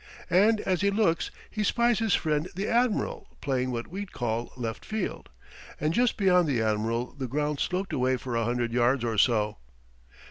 And as he looks he spies his friend the admiral, playing what we'd call left field. And just beyond the admiral the ground sloped away for a hundred yards or so.